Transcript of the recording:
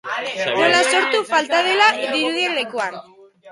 Nola sortu, falta dela dirudien lekuan?